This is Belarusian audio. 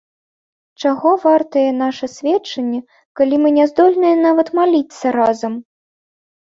Чаго вартае наша сведчанне, калі мы не здольныя нават маліцца разам?